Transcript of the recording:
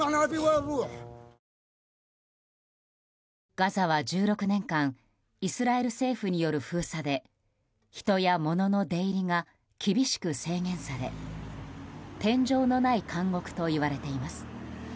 ガザは１６年間イスラエル政府による封鎖で人や物の出入りが厳しく制限され天井のない監獄ともいわれています。